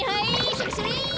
それそれ！